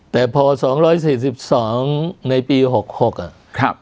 แต่พอ๒๔๒ในปี๖๖อ่ะ